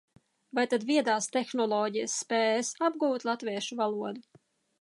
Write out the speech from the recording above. Vai tad viedās tehnoloģijas spēs apgūt latviešu valodu?